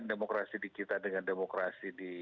tekanan itu terus